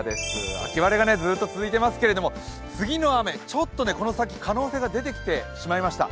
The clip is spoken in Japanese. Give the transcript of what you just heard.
秋晴れがずっと続いていますけれども、次の雨、ちょっとこの先可能性が出てきてしまいました。